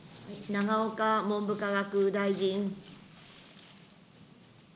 永岡文部科学大臣。